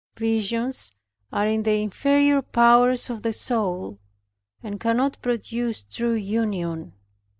Visions are in the inferior powers of the soul, and cannot produce true union.